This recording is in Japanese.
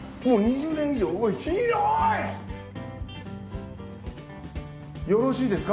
もう２０年以上うわ広い！